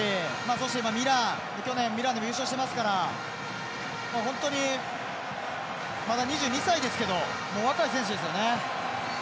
そして、今、ミラン去年、ミランでも優勝していますから本当にまだ２２歳ですけど若い選手ですよね。